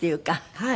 はい。